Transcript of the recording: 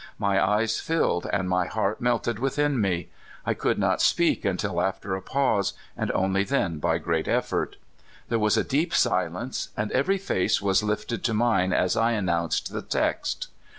My eyes tilled, and my heart melted within me. I could not speak until after a pause, and only then by great effort. There was a deep silence, and every face was lifted to mine as I announced the text.